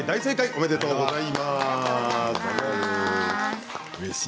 おめでとうございます。